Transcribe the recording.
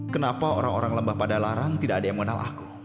kenapa orang orang lebah pada larang tidak ada yang mengenal aku